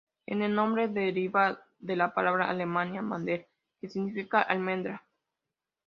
El nombre deriva de la palabra alemana ""Mandel"", que significa "Almendra".